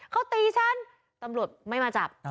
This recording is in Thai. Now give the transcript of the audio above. เขาตีฉันตำรวจไม่มาจับ